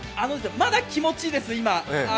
まだ気持ちいいです、今。